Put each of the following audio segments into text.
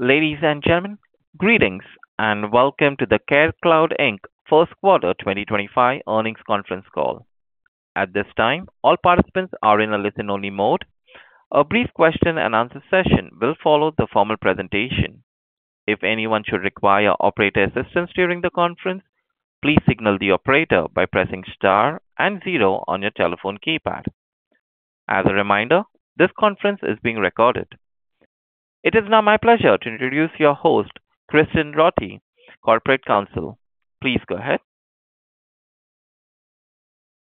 Ladies and gentlemen, greetings and welcome to the CareCloud Inc., First Quarter 2025 earnings conference call. At this time, all participants are in a listen-only mode. A brief question-and-answer session will follow the formal presentation. If anyone should require operator assistance during the conference, please signal the operator by pressing star and zero on your telephone keypad. As a reminder, this conference is being recorded. It is now my pleasure to introduce your host, Kristen Rothe, Corporate Counsel. Please go ahead.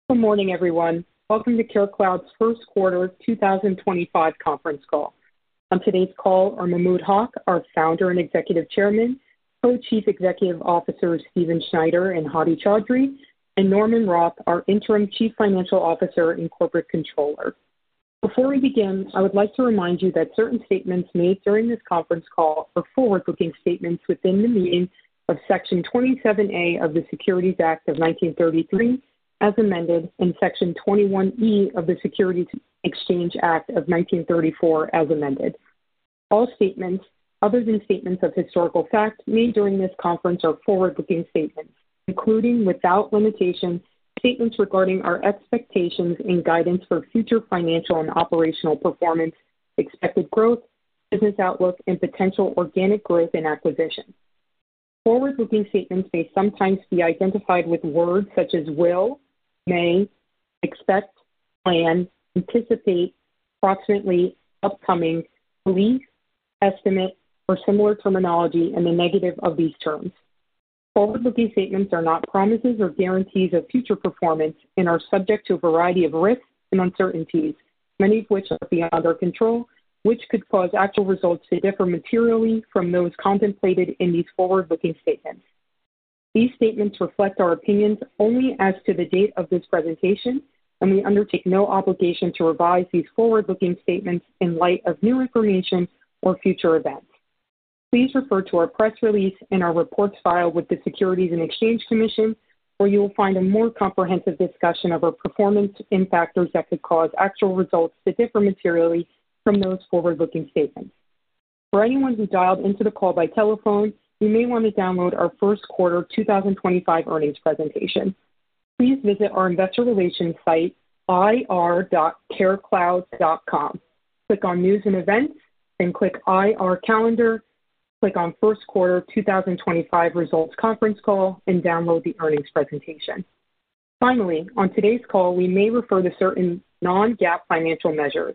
Good morning, everyone. Welcome to CareCloud's First Quarter 2025 conference call. On today's call are Mahmud Haq, our Founder and Executive Chairman; Co-Chief Executive Officers Steveen Snyder and Hadi Chaudhry; and Norman Roth, our Interim Chief Financial Officer and Corporate Controller. Before we begin, I would like to remind you that certain statements made during this conference call are forward-looking statements within the meaning of Section 27A of the Securities Act of 1933, as amended, and Section 21E of the Securities Exchange Act of 1934, as amended. All statements, other than statements of historical fact, made during this conference are forward-looking statements, including without limitations, statements regarding our expectations and guidance for future financial and operational performance, expected growth, business outlook, and potential organic growth and acquisition. Forward-looking statements may sometimes be identified with words such as will, may, expect, plan, anticipate, approximately, upcoming, belief, estimate, or similar terminology in the negative of these terms. Forward-looking statements are not promises or guarantees of future performance and are subject to a variety of risks and uncertainties, many of which are beyond our control, which could cause actual results to differ materially from those contemplated in these forward-looking statements. These statements reflect our opinions only as to the date of this presentation, and we undertake no obligation to revise these forward-looking statements in light of new information or future events. Please refer to our press release and our reports filed with the Securities and Exchange Commission, where you will find a more comprehensive discussion of our performance impactors that could cause actual results to differ materially from those forward-looking statements. For anyone who dialed into the call by telephone, you may want to download our First Quarter 2025 earnings presentation. Please visit our investor relations site, ir.carecloud.com. Click on News and Events, then click IR Calendar, click on First Quarter 2025 Results Conference Call, and download the earnings presentation. Finally, on today's call, we may refer to certain non-GAAP financial measures.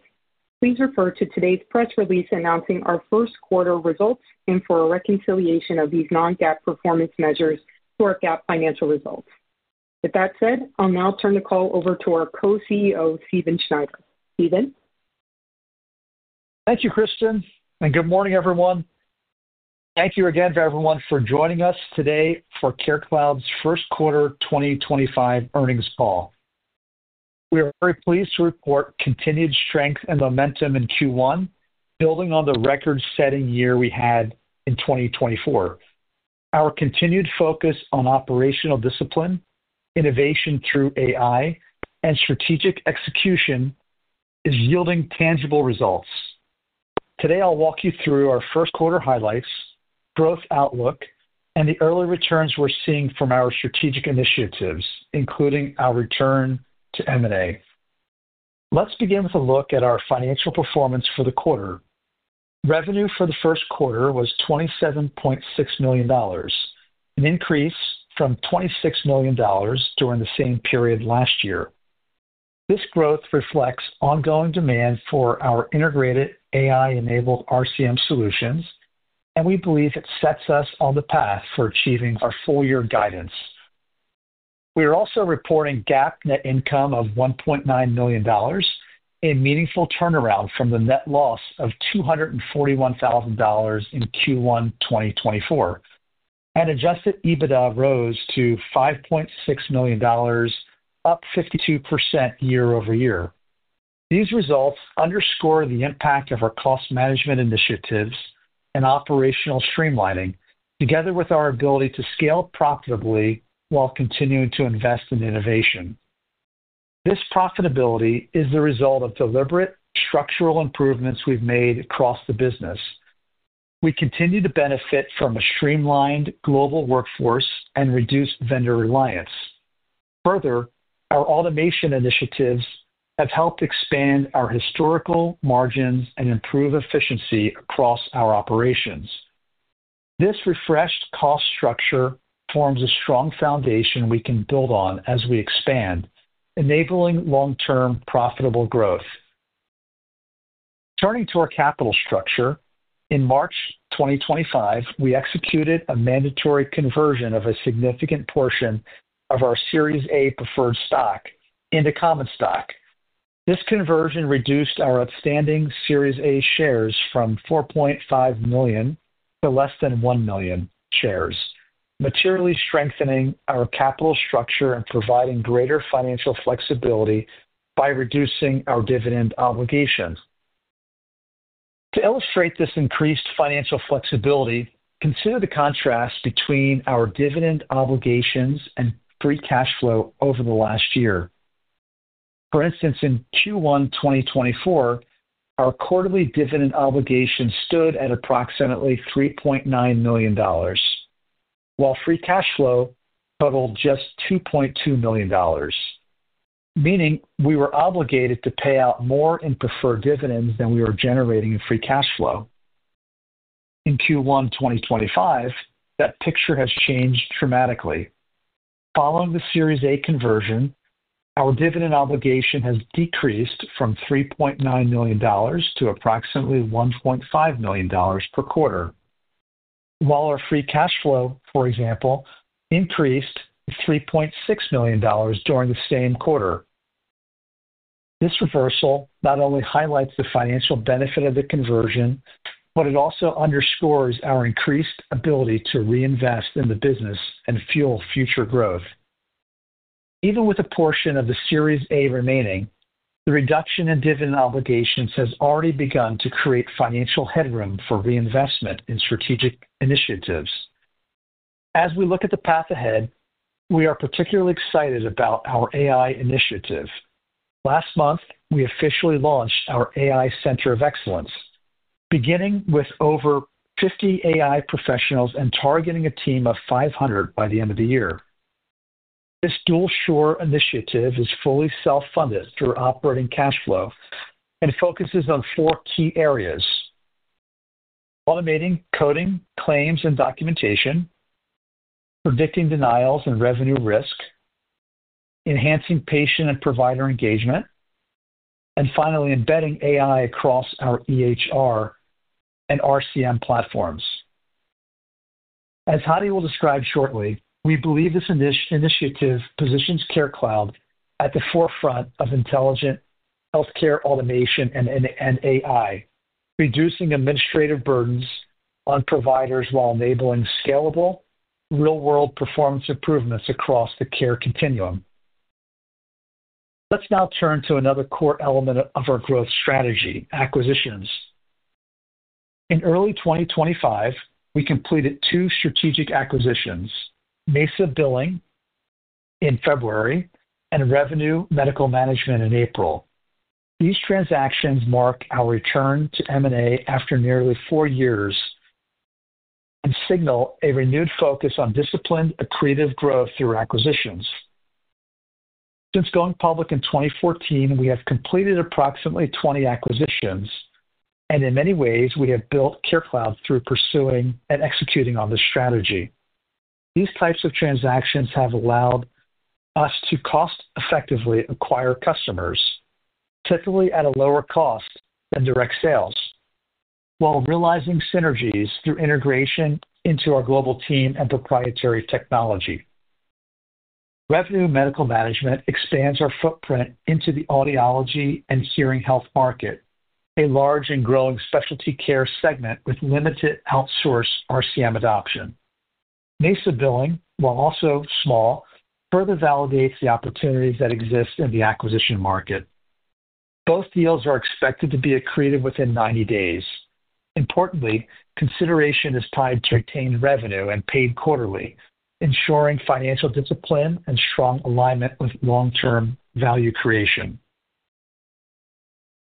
Please refer to today's press release announcing our First Quarter results and for a reconciliation of these non-GAAP performance measures to our GAAP financial results. With that said, I'll now turn the call over to our Co-CEO, Steveen Snyder.Steveen. Thank you, Kristen, and good morning, everyone. Thank you again for everyone for joining us today for CareCloud's First Quarter 2025 earnings call. We are very pleased to report continued strength and momentum in Q1, building on the record-setting year we had in 2024. Our continued focus on operational discipline, innovation through AI, and strategic execution is yielding tangible results. Today, I'll walk you through our First Quarter highlights, growth outlook, and the early returns we're seeing from our strategic initiatives, including our return to M&A. Let's begin with a look at our financial performance for the quarter. Revenue for the first quarter was $27.6 million, an increase from $26 million during the same period last year. This growth reflects ongoing demand for our integrated AI-enabled RCM Solutions, and we believe it sets us on the path for achieving our full-year guidance. We are also reporting GAAP net income of $1.9 million, a meaningful turnaround from the net loss of $241,000 in Q1 2024, and adjusted EBITDA rose to $5.6 million, up 52% year-over-year. These results underscore the impact of our cost management initiatives and operational streamlining, together with our ability to scale profitably while continuing to invest in innovation. This profitability is the result of deliberate structural improvements we've made across the business. We continue to benefit from a streamlined global workforce and reduced vendor reliance. Further, our automation initiatives have helped expand our historical margins and improve efficiency across our operations. This refreshed cost structure forms a strong foundation we can build on as we expand, enabling long-term profitable growth. Turning to our capital structure, in March 2025, we executed a mandatory conversion of a significant portion of our Series A preferred stock into common stock. This conversion reduced our outstanding Series A shares from $4.5 million to less than $1 million shares, materially strengthening our capital structure and providing greater financial flexibility by reducing our dividend obligations. To illustrate this increased financial flexibility, consider the contrast between our dividend obligations and free cash flow over the last year. For instance, in Q1 2024, our quarterly dividend obligations stood at approximately $3.9 million, while free cash flow totaled just $2.2 million, meaning we were obligated to pay out more in preferred dividends than we were generating in free cash flow. In Q1 2025, that picture has changed dramatically. Following the Series A conversion, our dividend obligation has decreased from $3.9 million to approximately $1.5 million per quarter, while our free cash flow, for example, increased to $3.6 million during the same quarter. This reversal not only highlights the financial benefit of the conversion, but it also underscores our increased ability to reinvest in the business and fuel future growth. Even with a portion of the Series A remaining, the reduction in dividend obligations has already begun to create financial headroom for reinvestment in strategic initiatives. As we look at the path ahead, we are particularly excited about our AI initiative. Last month, we officially launched our AI Center of Excellence, beginning with over 50 AI professionals and targeting a team of 500 by the end of the year. This Dual-Shore initiative is fully self-funded through operating cash flow and focuses on four key areas: automating coding, claims, and documentation; predicting denials and revenue risk; enhancing patient and provider engagement; and finally, embedding AI across our EHR and RCM platforms. As Hadi will describe shortly, we believe this initiative positions CareCloud at the forefront of intelligent healthcare automation and AI, reducing administrative burdens on providers while enabling scalable, real-world performance improvements across the care continuum. Let's now turn to another core element of our growth strategy: Acquisitions. In early 2025, we completed two strategic acquisitions: MesaBilling in February and Revenue Medical Management in April. These transactions mark our return to M&A after nearly four years and signal a renewed focus on disciplined, accretive growth through Acquisitions. Since going public in 2014, we have completed approximately 20 acquisitions, and in many ways, we have built CareCloud through pursuing and executing on this strategy. These types of transactions have allowed us to cost-effectively acquire customers, typically at a lower cost than direct sales, while realizing synergies through integration into our global team and proprietary technology. Revenue Medical Management expands our footprint into the audiology and hearing health market, a large and growing specialty care segment with limited outsource RCM adoption. MesaBilling, while also small, further validates the opportunities that exist in the acquisition market. Both deals are expected to be accretive within 90 days. Importantly, consideration is tied to retained revenue and paid quarterly, ensuring financial discipline and strong alignment with long-term value creation.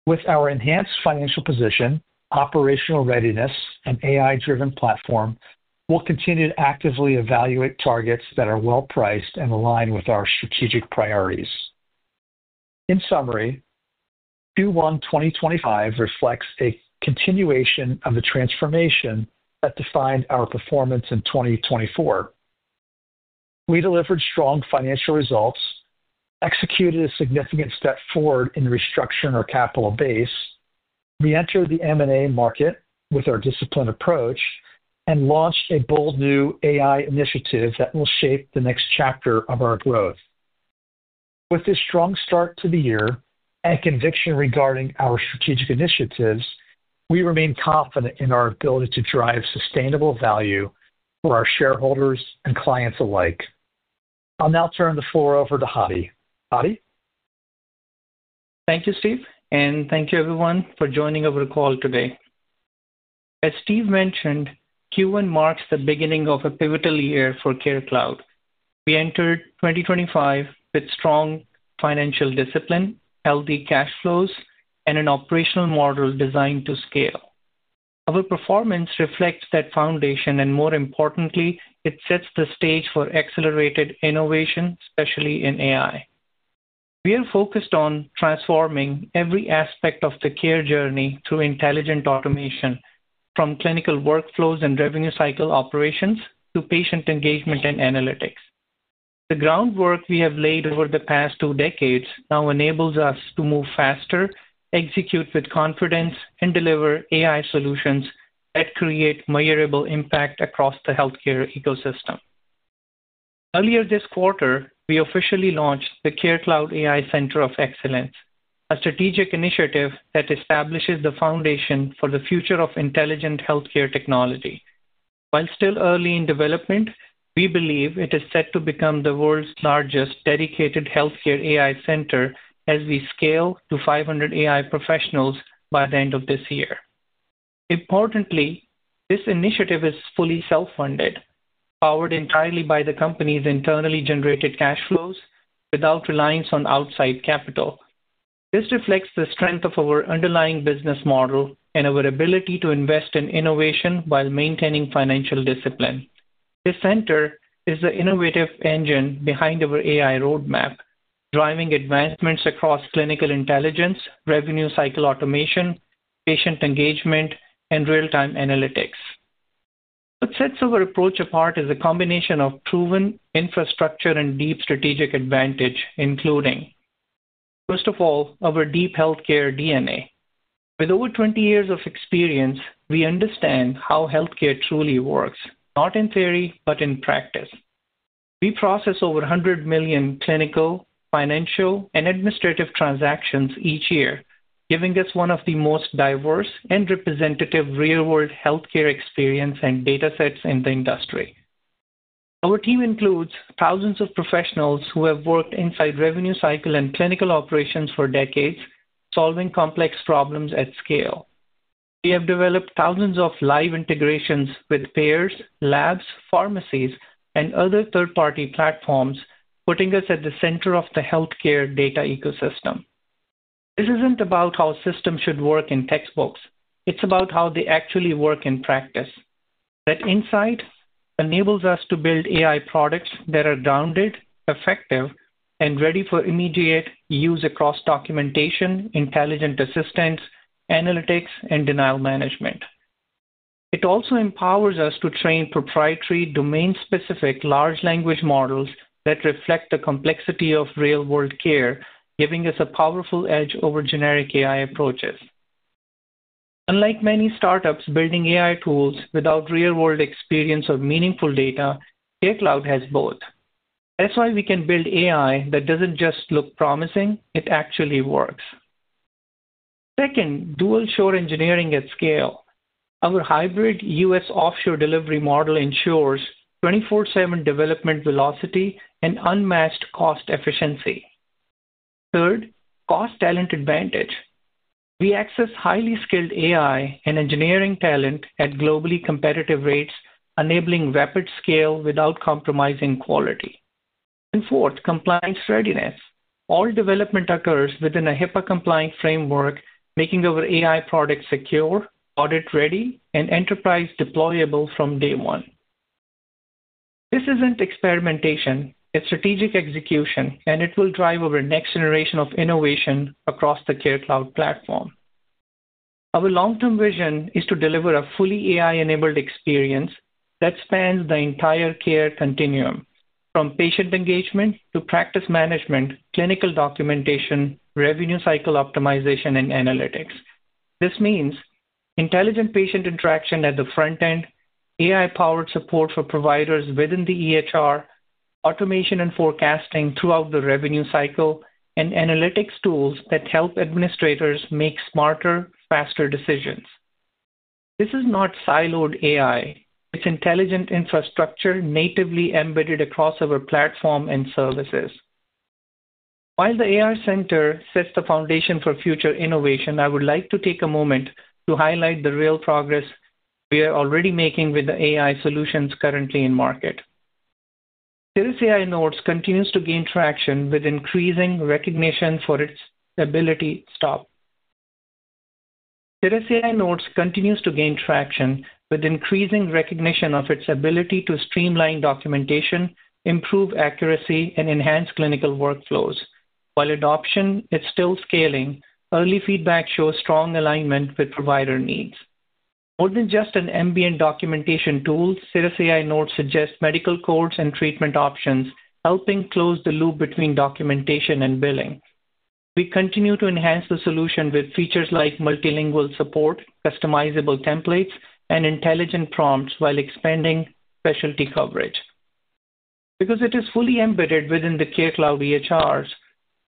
With our enhanced financial position, operational readiness, and AI-driven platform, we'll continue to actively evaluate targets that are well-priced and align with our strategic priorities. In summary, Q1 2025 reflects a continuation of the transformation that defined our performance in 2024. We delivered strong financial results, executed a significant step forward in restructuring our capital base, re-entered the M&A market with our disciplined approach, and launched a bold new AI initiative that will shape the next chapter of our growth. With this strong start to the year and conviction regarding our strategic initiatives, we remain confident in our ability to drive sustainable value for our shareholders and clients alike. I'll now turn the floor over to Hadi. Hadi. Thank you, Steve, and thank you, everyone, for joining our call today. As Steve mentioned, Q1 marks the beginning of a pivotal year for CareCloud. We entered 2025 with strong financial discipline, healthy cash flows, and an operational model designed to scale. Our performance reflects that foundation, and more importantly, it sets the stage for accelerated innovation, especially in AI. We are focused on transforming every aspect of the care journey through intelligent automation, from clinical workflows and revenue cycle operations to patient engagement and analytics. The groundwork we have laid over the past two decades now enables us to move faster, execute with confidence, and deliver AI solutions that create measurable impact across the healthcare ecosystem. Earlier this quarter, we officially launched the CareCloud AI Center of Excellence, a strategic initiative that establishes the foundation for the future of intelligent healthcare technology. While still early in development, we believe it is set to become the world's largest dedicated healthcare AI center as we scale to 500 AI professionals by the end of this year. Importantly, this initiative is fully self-funded, powered entirely by the company's internally generated cash flows without reliance on outside capital. This reflects the strength of our underlying business model and our ability to invest in innovation while maintaining financial discipline. This center is the innovative engine behind our AI roadmap, driving advancements across clinical intelligence, revenue cycle automation, patient engagement, and real-time analytics. What sets our approach apart is a combination of proven infrastructure and deep strategic advantage, including, first of all, our deep healthcare DNA. With over 20 years of experience, we understand how healthcare truly works, not in theory, but in practice. We process over 100 million clinical, financial, and administrative transactions each year, giving us one of the most diverse and representative real-world healthcare experience and data sets in the industry. Our team includes thousands of professionals who have worked inside revenue cycle and clinical operations for decades, solving complex problems at scale. We have developed thousands of live integrations with payers, labs, pharmacies, and other third-party platforms, putting us at the center of the healthcare data ecosystem. This isn't about how systems should work in textbooks; it's about how they actually work in practice. That insight enables us to build AI products that are grounded, effective, and ready for immediate use across documentation, intelligent assistance, analytics, and denial management. It also empowers us to train proprietary, domain-specific large language models that reflect the complexity of real-world care, giving us a powerful edge over generic AI approaches. Unlike many startups building AI tools without real-world experience or meaningful data, CareCloud has both. That's why we can build AI that doesn't just look promising; it actually works. Second, Dual-Shore engineering at scale. Our hybrid U.S. offshore delivery model ensures 24/7 development velocity and unmatched cost efficiency. Third, cost talent advantage. We access highly skilled AI and engineering talent at globally competitive rates, enabling rapid scale without compromising quality. Fourth, compliance readiness. All development occurs within a HIPAA-compliant framework, making our AI products secure, audit-ready, and enterprise-deployable from day one. This isn't experimentation; it's strategic execution, and it will drive our next generation of innovation across the CareCloud platform. Our long-term vision is to deliver a fully AI-enabled experience that spans the entire care continuum, from patient engagement to practice management, clinical documentation, revenue cycle optimization, and analytics. This means intelligent patient interaction at the front end, AI-powered support for providers within the EHR, automation and forecasting throughout the revenue cycle, and analytics tools that help administrators make smarter, faster decisions. This is not siloed AI; it's intelligent infrastructure natively embedded across our platform and services. While the AI Center sets the foundation for future innovation, I would like to take a moment to highlight the real progress we are already making with the AI solutions currently in market. CirrusAI Notes continues to gain traction with increasing recognition for its ability to stop. CirrusAI Notes continues to gain traction with increasing recognition of its ability to streamline documentation, improve accuracy, and enhance clinical workflows. While adoption is still scaling, early feedback shows strong alignment with provider needs. More than just an ambient documentation tool, cirrusAI Notes suggests medical codes and treatment options, helping close the loop between documentation and billing. We continue to enhance the solution with features like multilingual support, customizable templates, and intelligent prompts while expanding specialty coverage. Because it is fully embedded within the CareCloud EHRs,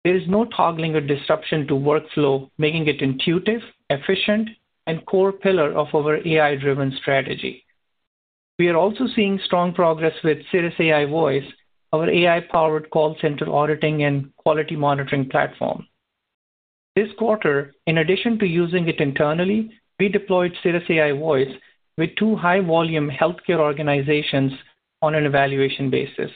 there is no toggling or disruption to workflow, making it intuitive, efficient, and a core pillar of our AI-driven strategy. We are also seeing strong progress with Terracea Voice, our AI-powered call center auditing and quality monitoring platform. This quarter, in addition to using it internally, we deployed cirrusAI Voice with two high-volume healthcare organizations on an evaluation basis.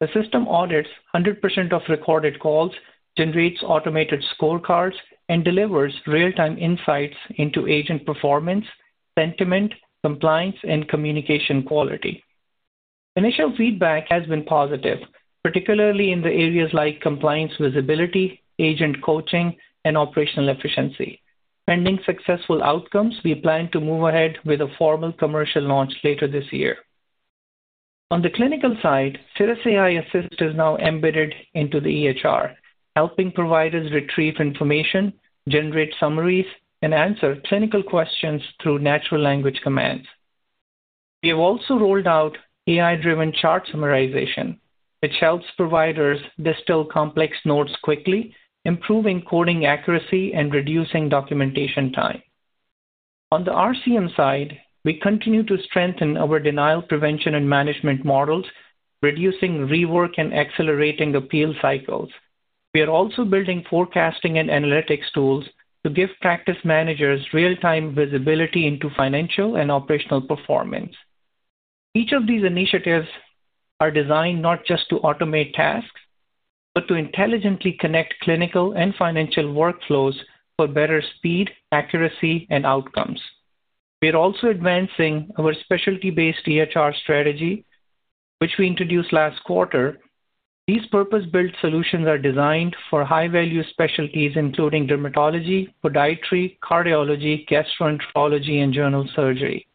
The system audits 100% of recorded calls, generates automated scorecards, and delivers real-time insights into agent performance, sentiment, compliance, and communication quality. Initial feedback has been positive, particularly in the areas like compliance visibility, agent coaching, and operational efficiency. Pending successful outcomes, we plan to move ahead with a formal commercial launch later this year. On the clinical side, cirrusAI Assist is now embedded into the EHR, helping providers retrieve information, generate summaries, and answer clinical questions through natural language commands. We have also rolled out AI-driven chart summarization, which helps providers distill complex notes quickly, improving coding accuracy and reducing documentation time. On the RCM side, we continue to strengthen our denial prevention and management models, reducing rework and accelerating appeal cycles. We are also building forecasting and analytics tools to give practice managers real-time visibility into financial and operational performance. Each of these initiatives are designed not just to automate tasks, but to intelligently connect clinical and financial workflows for better speed, accuracy, and outcomes. We are also advancing our specialty-based EHR strategy, which we introduced last quarter. These purpose-built solutions are designed for high-value specialties, including dermatology, podiatry, cardiology, gastroenterology, and general surgery.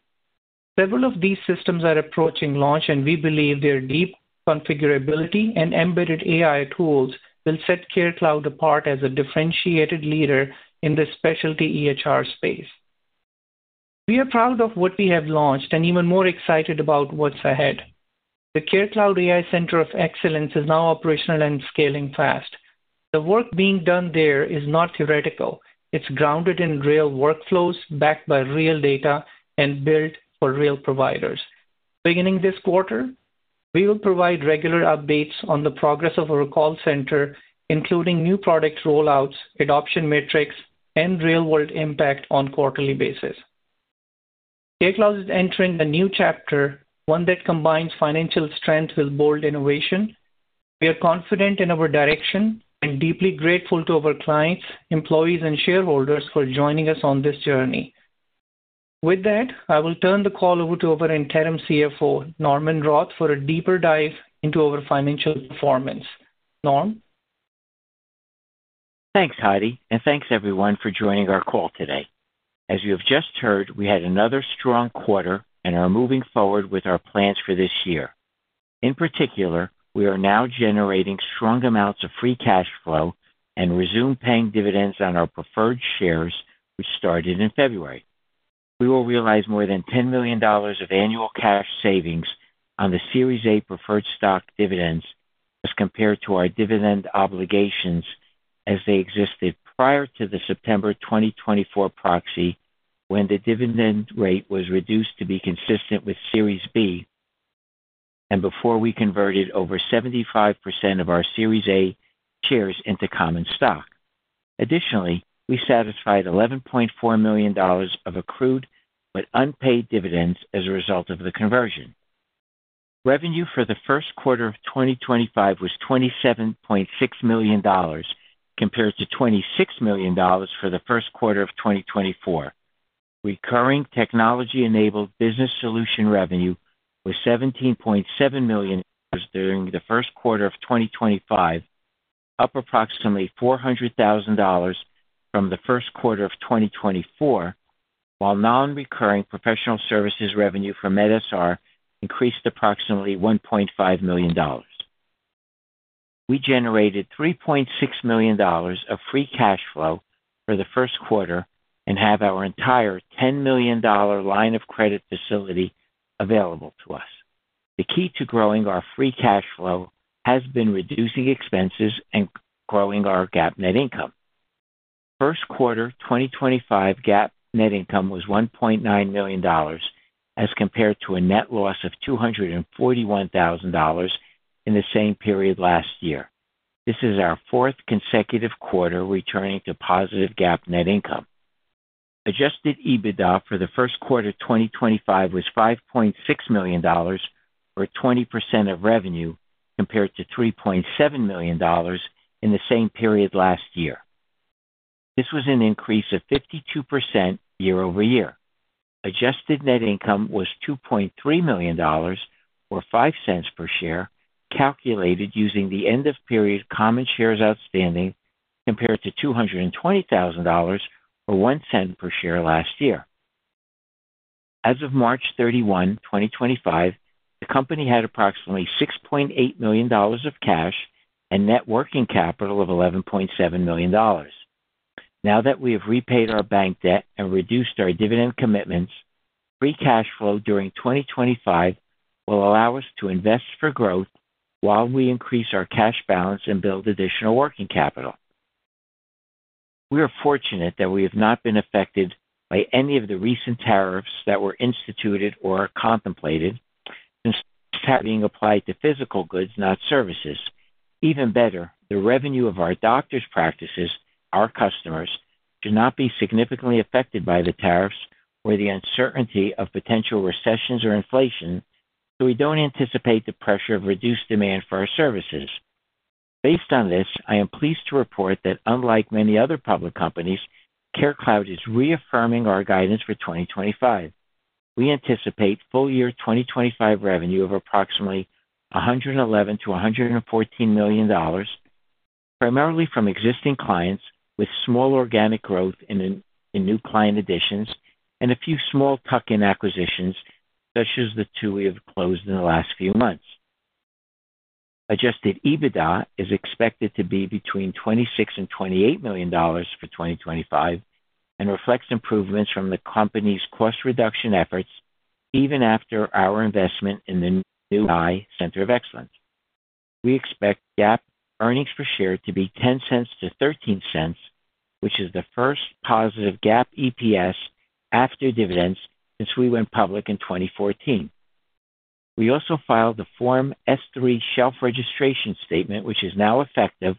Several of these systems are approaching launch, and we believe their deep configurability and embedded AI tools will set CareCloud apart as a differentiated leader in the specialty EHR space. We are proud of what we have launched and even more excited about what's ahead. The CareCloud AI Center of Excellence is now operational and scaling fast. The work being done there is not theoretical. It's grounded in real workflows backed by real data and built for real providers. Beginning this quarter, we will provide regular updates on the progress of our call center, including new product rollouts, adoption metrics, and real-world impact on a quarterly basis. CareCloud is entering a new chapter, one that combines financial strength with bold innovation. We are confident in our direction and deeply grateful to our clients, employees, and shareholders for joining us on this journey. With that, I will turn the call over to our Interim CFO, Norman Roth, for a deeper dive into our financial performance. Norm. Thanks, Hadi, and thanks everyone for joining our call today. As you have just heard, we had another strong quarter and are moving forward with our plans for this year. In particular, we are now generating strong amounts of free cash flow and resume paying dividends on our preferred shares, which started in February. We will realize more than $10 million of annual cash savings on the Series A preferred stock dividends as compared to our dividend obligations as they existed prior to the September 2024 proxy, when the dividend rate was reduced to be consistent with Series B and before we converted over 75% of our Series A shares into common stock. Additionally, we satisfied $11.4 million of accrued but unpaid dividends as a result of the conversion. Revenue for the first quarter of 2025 was $27.6 million compared to $26 million for the first quarter of 2024. Recurring technology-enabled business solution revenue was $17.7 million during the first quarter of 2025, up approximately $400,000 from the first quarter of 2024, while non-recurring professional services revenue from medSR increased approximately $1.5 million. We generated $3.6 million of free cash flow for the first quarter and have our entire $10 million line of credit facility available to us. The key to growing our free cash flow has been reducing expenses and growing our GAAP net income. First quarter 2025 GAAP net income was $1.9 million as compared to a net loss of $241,000 in the same period last year. This is our fourth consecutive quarter returning to positive GAAP net income. Adjusted EBITDA for the first quarter 2025 was $5.6 million, or 20% of revenue, compared to $3.7 million in the same period last year. This was an increase of 52% year-over-year. Adjusted net income was $2.3 million, or $0.05 per share, calculated using the end-of-period common shares outstanding compared to $220,000, or $0.01 per share last year. As of March 31, 2025, the company had approximately $6.8 million of cash and net working capital of $11.7 million. Now that we have repaid our bank debt and reduced our dividend commitments, free cash flow during 2025 will allow us to invest for growth while we increase our cash balance and build additional working capital. We are fortunate that we have not been affected by any of the recent tariffs that were instituted or contemplated, since tariffs are being applied to physical goods, not services. Even better, the revenue of our doctors' practices, our customers, should not be significantly affected by the tariffs or the uncertainty of potential recessions or inflation, so we don't anticipate the pressure of reduced demand for our services. Based on this, I am pleased to report that, unlike many other public companies, CareCloud is reaffirming our guidance for 2025. We anticipate full-year 2025 revenue of approximately $111 million-$114 million, primarily from existing clients with small organic growth and new client additions and a few small tuck-in acquisitions, such as the two we have closed in the last few months. Adjusted EBITDA is expected to be between $26 million-$28 million for 2025 and reflects improvements from the company's cost reduction efforts, even after our investment in the new AI Center of Excellence. We expect GAAP earnings per share to be $0.10-$0.13, which is the first positive GAAP EPS after dividends since we went public in 2014. We also filed the Form S-3 shelf registration statement, which is now effective,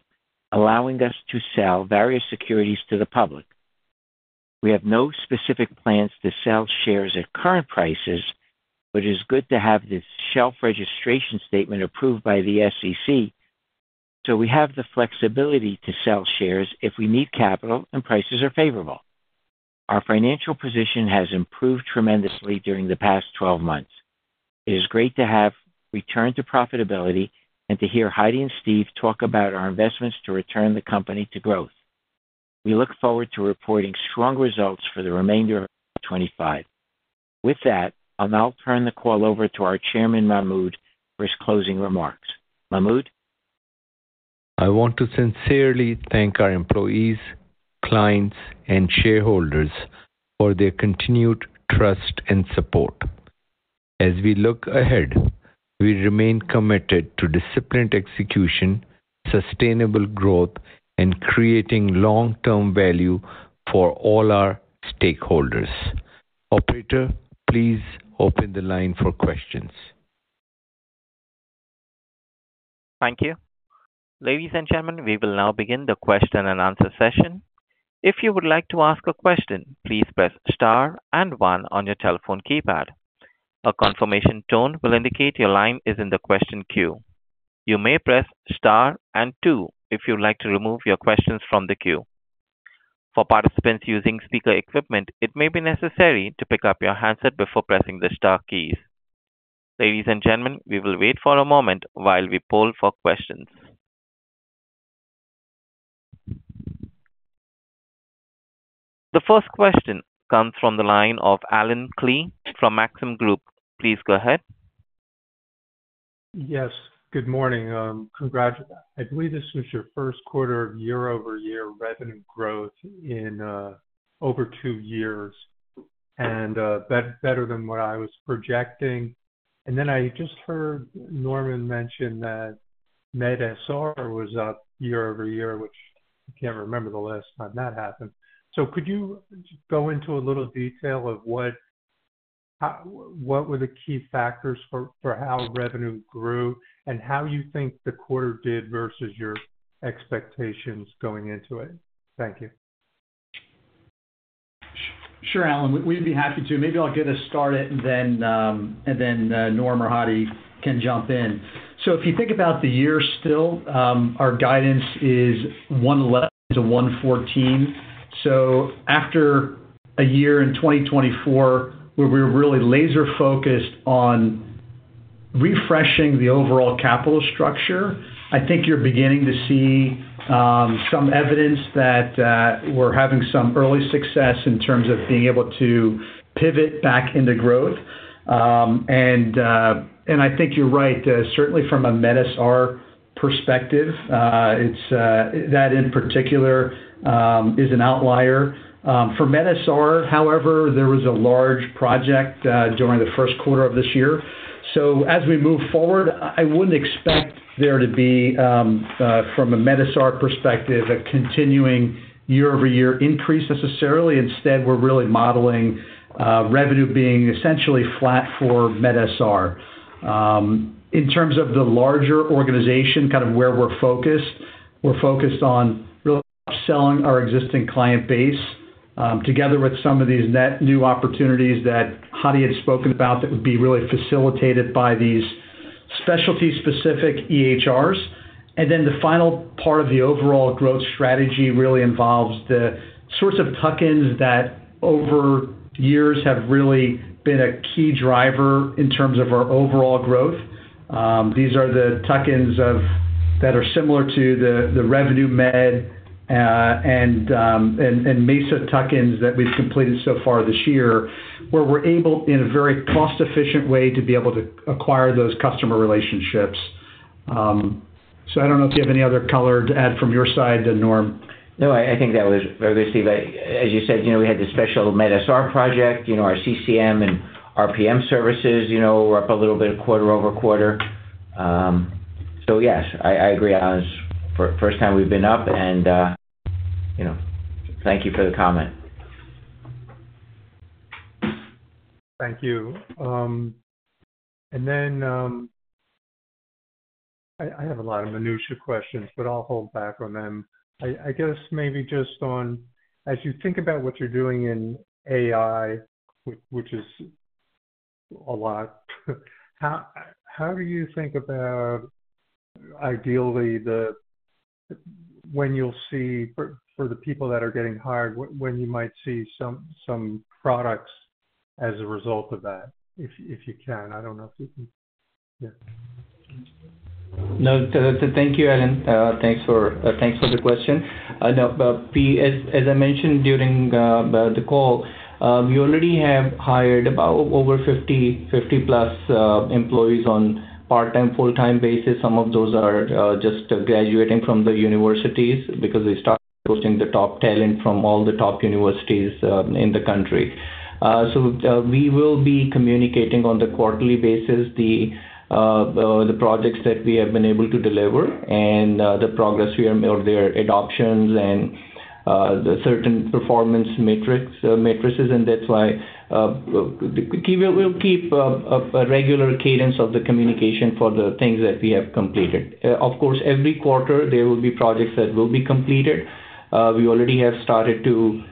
allowing us to sell various securities to the public. We have no specific plans to sell shares at current prices, but it is good to have this shelf registration statement approved by the SEC, so we have the flexibility to sell shares if we need capital and prices are favorable. Our financial position has improved tremendously during the past 12 months. It is great to have returned to profitability and to hear Hadi and Steve talk about our investments to return the company to growth. We look forward to reporting strong results for the remainder of 2025. With that, I'll now turn the call over to our Chairman, Mahmud, for his closing remarks. Mahmud. I want to sincerely thank our employees, clients, and shareholders for their continued trust and support. As we look ahead, we remain committed to disciplined execution, sustainable growth, and creating long-term value for all our stakeholders. Operator, please open the line for questions. Thank you. Ladies and gentlemen, we will now begin the question and answer session. If you would like to ask a question, please press star and one on your telephone keypad. A confirmation tone will indicate your line is in the question queue. You may press star and two if you'd like to remove your questions from the queue. For participants using speaker equipment, it may be necessary to pick up your handset before pressing the star keys. Ladies and gentlemen, we will wait for a moment while we pull for questions. The first question comes from the line of Allen Klee from Maxim Group. Please go ahead. Yes. Good morning. I believe this was your first quarter of year-over-year revenue growth in over two years, and better than what I was projecting. I just heard Norman mention that medSR was up year-over-year, which I can't remember the last time that happened. Could you go into a little detail of what were the key factors for how revenue grew and how you think the quarter did versus your expectations going into it? Thank you. Sure, Allen. We'd be happy to. Maybe I'll get us started, and then Norm or Hadi can jump in. If you think about the year still, our guidance is $111 million-$114 million. After a year in 2024, where we were really laser-focused on refreshing the overall capital structure, I think you're beginning to see some evidence that we're having some early success in terms of being able to pivot back into growth. I think you're right. Certainly, from a medSR perspective, that in particular is an outlier. For medSR, however, there was a large project during the first quarter of this year. As we move forward, I wouldn't expect there to be, from a medSR perspective, a continuing year-over-year increase necessarily. Instead, we're really modeling revenue being essentially flat for medSR. In terms of the larger organization, kind of where we're focused, we're focused on really upselling our existing client base together with some of these new opportunities that Hadi had spoken about that would be really facilitated by these specialty-specific EHRs. The final part of the overall growth strategy really involves the sorts of tuck-ins that over years have really been a key driver in terms of our overall growth. These are the tuck-ins that are similar to the Revenue Med and MesaBilling tuck-ins that we've completed so far this year, where we're able, in a very cost-efficient way, to be able to acquire those customer relationships. I don't know if you have any other color to add from your side, Norm. No, I think that was very good, Steve. As you said, we had the special medSR project. Our CCM and RPM services were up a little bit quarter-over-quarter. Yes, I agree, Allen. It's the first time we've been up, and thank you for the comment. Thank you. I have a lot of minutiae questions, but I'll hold back on them. I guess maybe just on, as you think about what you're doing in AI, which is a lot, how do you think about, ideally, when you'll see, for the people that are getting hired, when you might see some products as a result of that, if you can? I don't know if you can. No, thank you, Allen. Thanks for the question. As I mentioned during the call, we already have hired about over 50-plus employees on a part-time, full-time basis. Some of those are just graduating from the universities because we started pushing the top talent from all the top universities in the country. We will be communicating on a quarterly basis the projects that we have been able to deliver and the progress we are making or their adoptions and certain performance matrices. That is why we will keep a regular cadence of the communication for the things that we have completed. Of course, every quarter, there will be projects that will be completed. We already have started to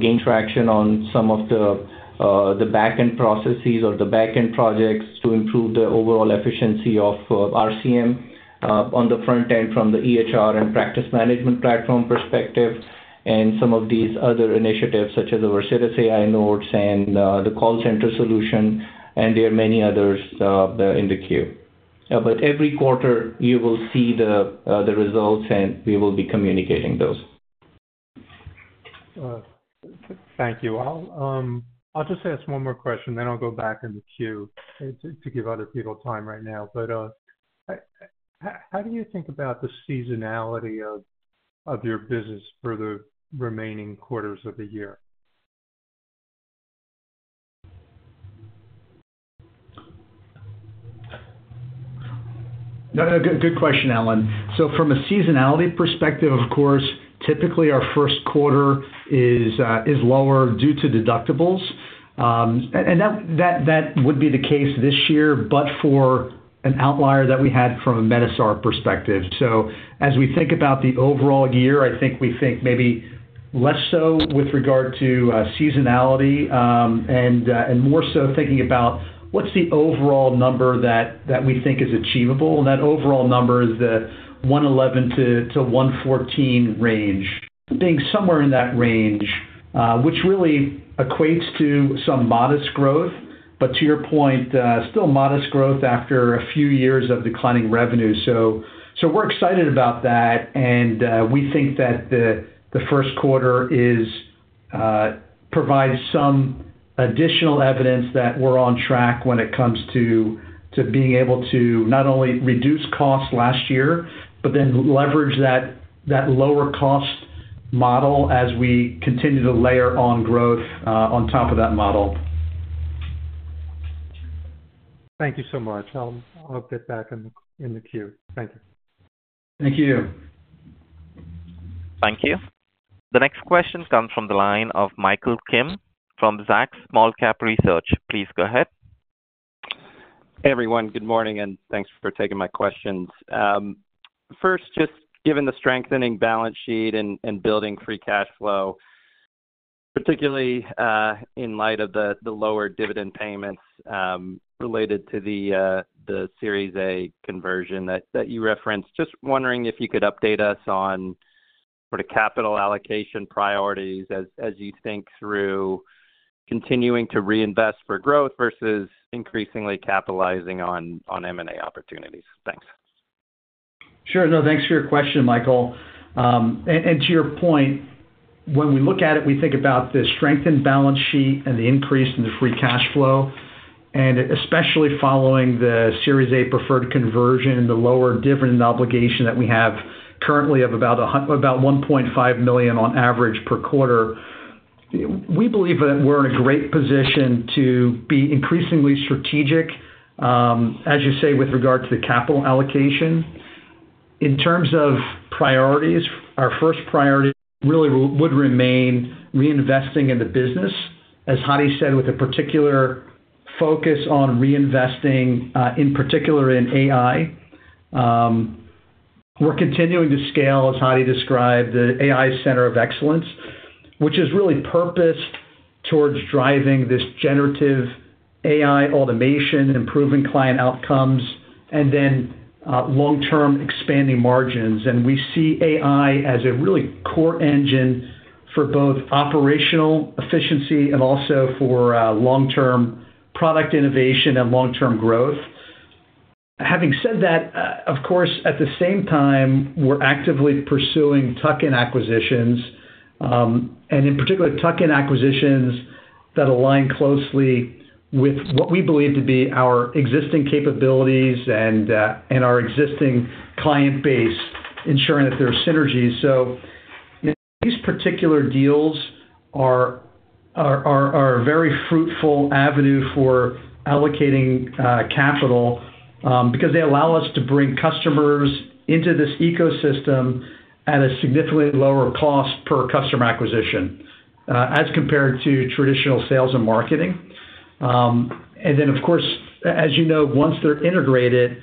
gain traction on some of the back-end processes or the back-end projects to improve the overall efficiency of RCM on the front end from the EHR and Practice Management platform perspective and some of these other initiatives, such as the CirrusAI Notes and the Call Center Solution, and there are many others in the queue. Every quarter, you will see the results, and we will be communicating those. Thank you all. I'll just ask one more question, then I'll go back in the queue to give other people time right now. How do you think about the seasonality of your business for the remaining quarters of the year? Good question, Allen. From a seasonality perspective, of course, typically our first quarter is lower due to deductibles. That would be the case this year, but for an outlier that we had from a medSR perspective. As we think about the overall year, I think we think maybe less so with regard to seasonality and more so thinking about what's the overall number that we think is achievable. That overall number is the $111 million-$114 million range, being somewhere in that range, which really equates to some modest growth. To your point, still modest growth after a few years of declining revenue. We're excited about that. We think that the first quarter provides some additional evidence that we're on track when it comes to being able to not only reduce costs last year, but then leverage that lower-cost model as we continue to layer on growth on top of that model. Thank you so much. I'll get back in the queue. Thank you. Thank you. Thank you. The next question comes from the line of Michael Kim from Zacks Small Cap Research. Please go ahead. Hey, everyone. Good morning, and thanks for taking my questions. First, just given the strengthening balance sheet and building free cash flow, particularly in light of the lower dividend payments related to the Series A conversion that you referenced, just wondering if you could update us on capital allocation priorities as you think through continuing to reinvest for growth versus increasingly capitalizing on M&A opportunities. Thanks. Sure. No, thanks for your question, Michael. To your point, when we look at it, we think about the strengthened balance sheet and the increase in the free cash flow, and especially following the Series A preferred conversion and the lower dividend obligation that we have currently of about $1.5 million on average per quarter. We believe that we're in a great position to be increasingly strategic, as you say, with regard to the capital allocation. In terms of priorities, our first priority really would remain reinvesting in the business, as Hadi said, with a particular focus on reinvesting, in particular in AI. We're continuing to scale, as Hadi described, the AI Center of Excellence, which is really purposed towards driving this generative AI automation, improving client outcomes, and then long-term expanding margins. We see AI as a really core engine for both operational efficiency and also for long-term product innovation and long-term growth. Having said that, of course, at the same time, we're actively pursuing tuck-in acquisitions, and in particular, tuck-in acquisitions that align closely with what we believe to be our existing capabilities and our existing client base, ensuring that there are synergies. These particular deals are a very fruitful avenue for allocating capital because they allow us to bring customers into this ecosystem at a significantly lower cost per customer acquisition, as compared to traditional sales and marketing. Of course, as you know, once they're integrated,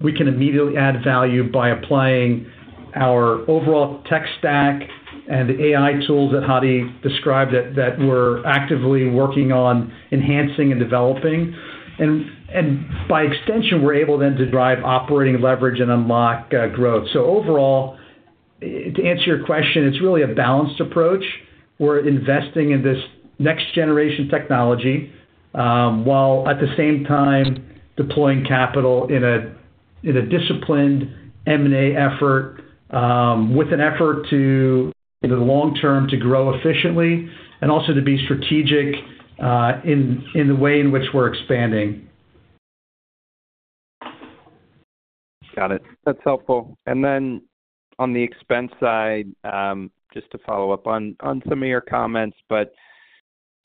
we can immediately add value by applying our overall tech stack and the AI tools that Hadi described that we're actively working on enhancing and developing. By extension, we're able then to drive operating leverage and unlock growth. Overall, to answer your question, it's really a balanced approach. We're investing in this next-generation technology while at the same time deploying capital in a disciplined M&A effort with an effort to, in the long term, grow efficiently and also to be strategic in the way in which we're expanding. Got it. That's helpful. On the expense side, just to follow up on some of your comments,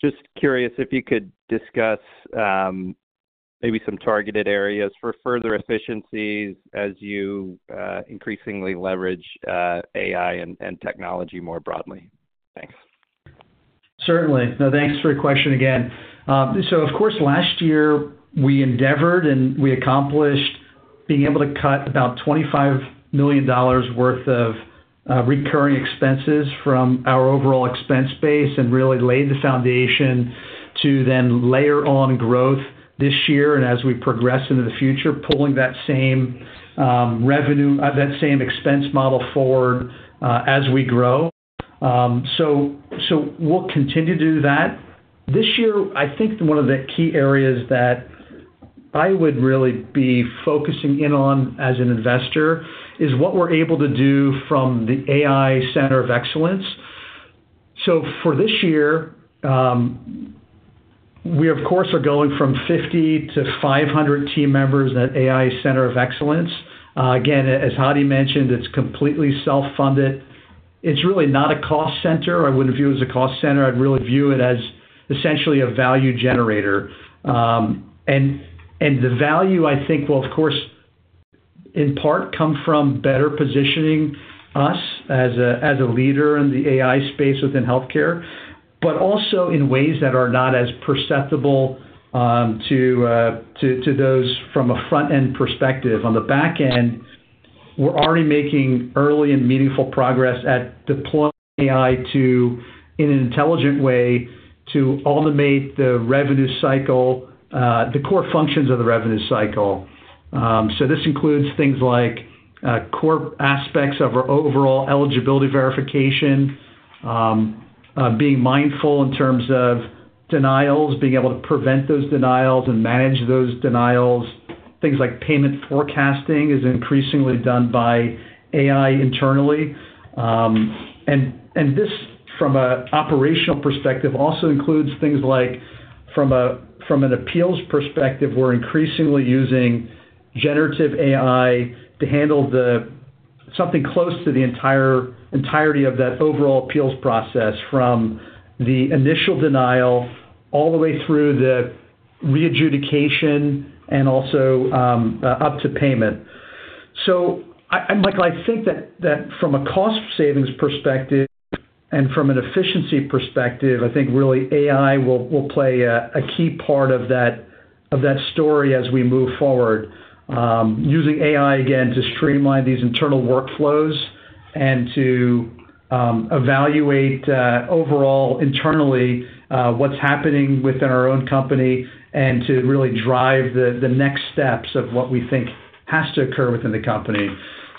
just curious if you could discuss maybe some targeted areas for further efficiencies as you increasingly leverage AI and technology more broadly. Thanks. Certainly. No, thanks for your question again. Of course, last year, we endeavored and we accomplished being able to cut about $25 million worth of recurring expenses from our overall expense base and really laid the foundation to then layer on growth this year and as we progress into the future, pulling that same revenue, that same expense model forward as we grow. We'll continue to do that. This year, I think one of the key areas that I would really be focusing in on as an investor is what we're able to do from the AI Center of Excellence. For this year, we, of course, are going from 50-500 team members in that AI Center of Excellence. Again, as Hadi mentioned, it's completely self-funded. It's really not a cost center. I wouldn't view it as a cost center. I'd really view it as essentially a value generator. The value, I think, will, of course, in part, come from better positioning us as a leader in the AI space within healthcare, but also in ways that are not as perceptible to those from a front-end perspective. On the back end, we're already making early and meaningful progress at deploying AI in an intelligent way to automate the revenue cycle, the core functions of the revenue cycle. This includes things like core aspects of our overall eligibility verification, being mindful in terms of denials, being able to prevent those denials and manage those denials. Things like payment forecasting is increasingly done by AI internally. From an operational perspective, this also includes things like, from an appeals perspective, we're increasingly using generative AI to handle something close to the entirety of that overall appeals process from the initial denial all the way through the readjudication and also up to payment. I think that from a cost savings perspective and from an efficiency perspective, I think really AI will play a key part of that story as we move forward, using AI, again, to streamline these internal workflows and to evaluate overall internally what's happening within our own company and to really drive the next steps of what we think has to occur within the company.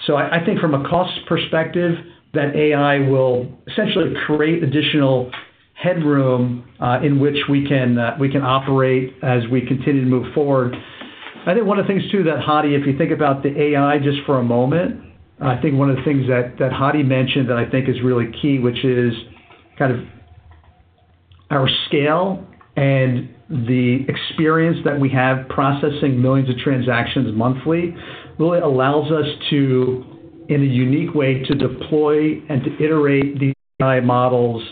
I think from a cost perspective, that AI will essentially create additional headroom in which we can operate as we continue to move forward. I think one of the things, too, that Hadi, if you think about the AI just for a moment, I think one of the things that Hadi mentioned that I think is really key, which is kind of our scale and the experience that we have processing millions of transactions monthly really allows us to, in a unique way, deploy and to iterate the AI models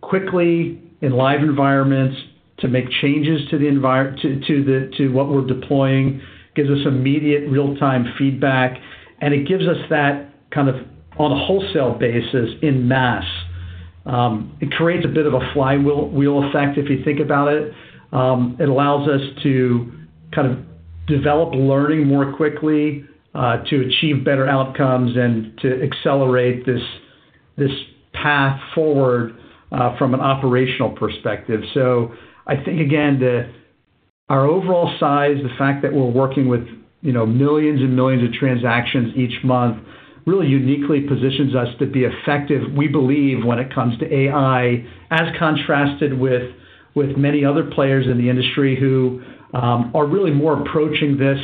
quickly in live environments to make changes to what we're deploying, gives us immediate real-time feedback, and it gives us that kind of on a wholesale basis in mass. It creates a bit of a flywheel effect, if you think about it. It allows us to kind of develop learning more quickly to achieve better outcomes and to accelerate this path forward from an operational perspective. I think, again, our overall size, the fact that we're working with millions and millions of transactions each month really uniquely positions us to be effective, we believe, when it comes to AI, as contrasted with many other players in the industry who are really more approaching this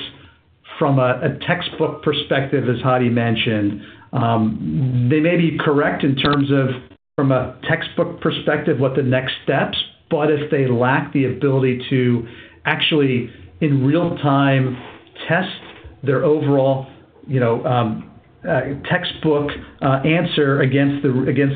from a textbook perspective, as Hadi mentioned. They may be correct in terms of, from a textbook perspective, what the next steps, but if they lack the ability to actually, in real time, test their overall textbook answer against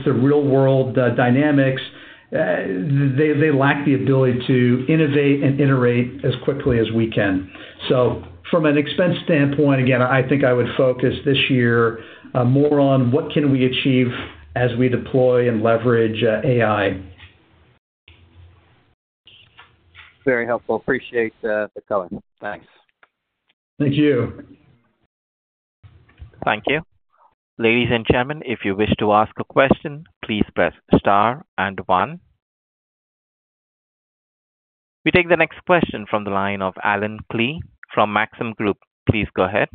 the real-world dynamics, they lack the ability to innovate and iterate as quickly as we can. From an expense standpoint, again, I think I would focus this year more on what can we achieve as we deploy and leverage AI. Very helpful. Appreciate the color. Thanks. Thank you. Thank you. Ladies and gentlemen, if you wish to ask a question, please press star and one. We take the next question from the line of Allen Klee from Maxim Group. Please go ahead.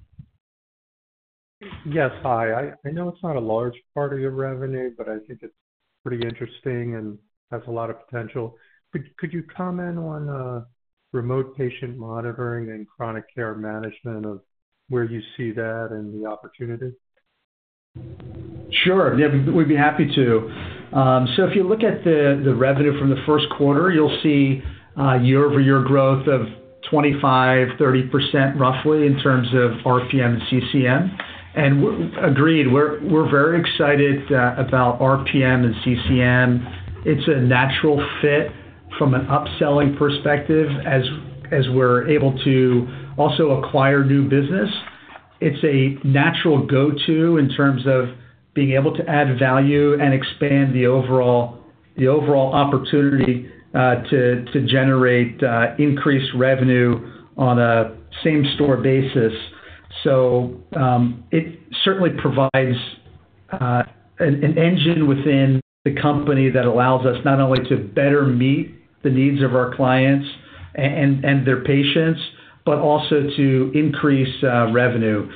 Yes, hi. I know it's not a large part of your revenue, but I think it's pretty interesting and has a lot of potential. Could you comment on remote patient monitoring and Chronic Care Management of where you see that and the opportunity? Sure. We'd be happy to. If you look at the revenue from the first quarter, you'll see year-over-year growth of 25%-30%, roughly, in terms of RPM and CCM. Agreed, we're very excited about RPM and CCM. It's a natural fit from an upselling perspective as we're able to also acquire new business. It's a natural go-to in terms of being able to add value and expand the overall opportunity to generate increased revenue on a same-store basis. It certainly provides an engine within the company that allows us not only to better meet the needs of our clients and their patients, but also to increase revenue.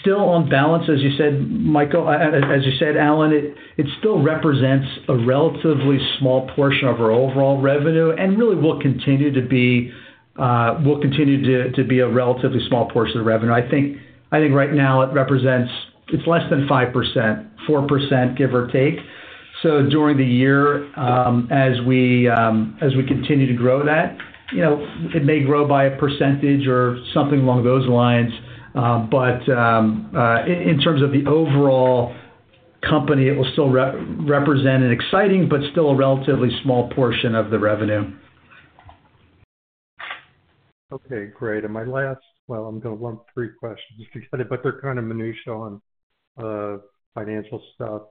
Still on balance, as you said, Michael, as you said, Allen, it still represents a relatively small portion of our overall revenue and really will continue to be a relatively small portion of the revenue. I think right now it represents it's less than 5%, 4%, give or take. During the year, as we continue to grow that, it may grow by a percentage or something along those lines. In terms of the overall company, it will still represent an exciting but still a relatively small portion of the revenue. Okay. Great. My last, I'm going to lump three questions together, but they're kind of minutiae on financial stuff.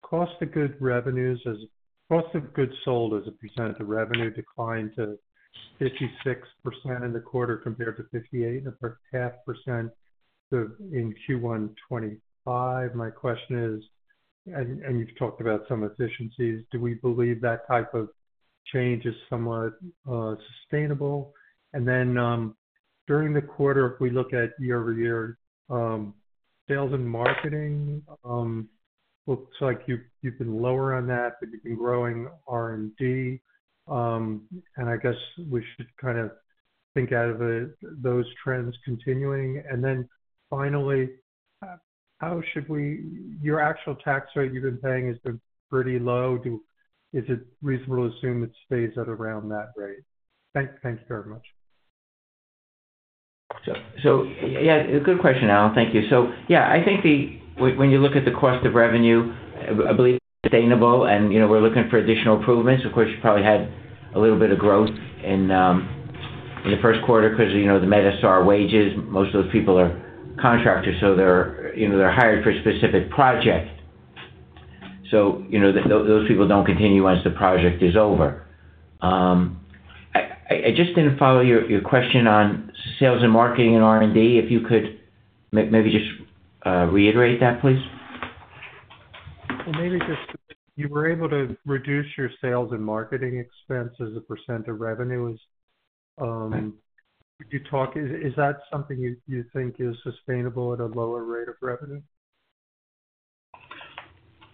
Your cost of goods sold as a percent of the revenue declined to 56% in the quarter compared to 58.5% in Q1 2025. My question is, you've talked about some efficiencies, do we believe that type of change is somewhat sustainable? During the quarter, if we look at year-over-year sales and marketing, it looks like you've been lower on that, but you've been growing R&D. I guess we should kind of think about those trends continuing. Finally, your actual tax rate you've been paying has been pretty low. Is it reasonable to assume it stays at around that rate? Thank you very much. Yeah, good question, Allen. Thank you. Yeah, I think when you look at the cost of revenue, I believe it's sustainable, and we're looking for additional improvements. Of course, you probably had a little bit of growth in the first quarter because the MesaBilling wages. Most of those people are contractors, so they're hired for a specific project. Those people do not continue once the project is over. I just did not follow your question on sales and marketing and R&D. If you could maybe just reiterate that, please. Maybe just you were able to reduce your sales and marketing expenses a % of revenue. Is that something you think is sustainable at a lower rate of revenue?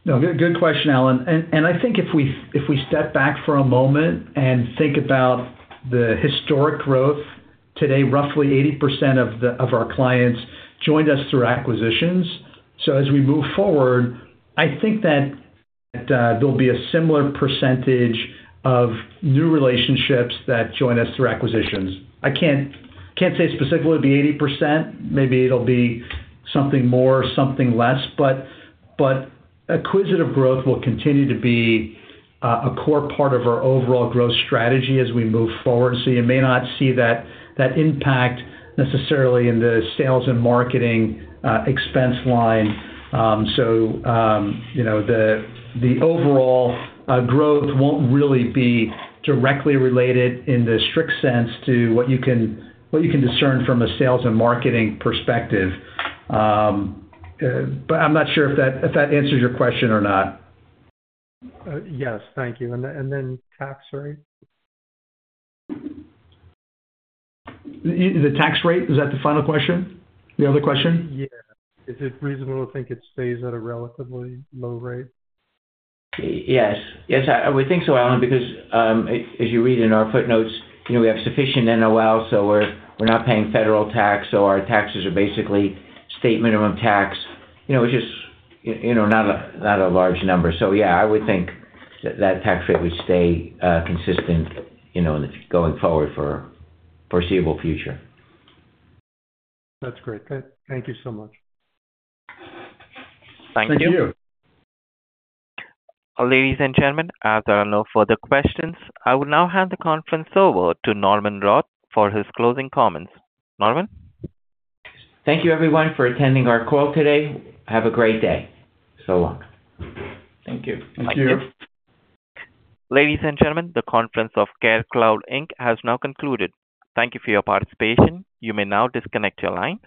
No, good question, Allen. I think if we step back for a moment and think about the historic growth, today, roughly 80% of our clients joined us through Acquisitions. As we move forward, I think that there'll be a similar percentage of new relationships that join us through Acquisitions. I can't say specifically it'll be 80%. Maybe it'll be something more, something less. Acquisitive growth will continue to be a core part of our overall growth strategy as we move forward. You may not see that impact necessarily in the sales and marketing expense line. The overall growth won't really be directly related in the strict sense to what you can discern from a sales and marketing perspective. I'm not sure if that answers your question or not. Yes. Thank you. And then tax rate? The tax rate? Is that the final question? The other question? Yeah. Is it reasonable to think it stays at a relatively low rate? Yes. Yes. I would think so, Allen, because as you read in our footnotes, we have sufficient NOL, so we're not paying federal tax, so our taxes are basically state minimum tax. It's just not a large number. Yeah, I would think that tax rate would stay consistent going forward for a foreseeable future. That's great. Thank you so much. Thank you. Thank you. Thank you. Ladies and gentlemen, as there are no further questions, I will now hand the conference over to Norman Roth for his closing comments. Norman? Thank you, everyone, for attending our call today. Have a great day. So long. Thank you. Thank you. Ladies and gentlemen, the conference of CareCloud Inc. has now concluded. Thank you for your participation. You may now disconnect your line.